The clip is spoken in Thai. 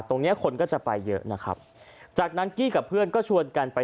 เนี้ยคนก็จะไปเยอะนะครับจากนั้นกี้กับเพื่อนก็ชวนกันไป